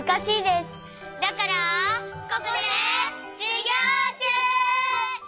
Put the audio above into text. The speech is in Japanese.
ここでしゅぎょうちゅう！